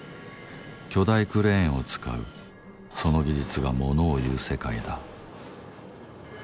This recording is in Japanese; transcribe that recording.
巨大クレーンを使うその技術がものをいう世界だ。